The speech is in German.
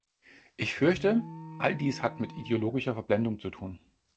Ich fürchte, all dies hat mit ideologischer Verblendung zu tun.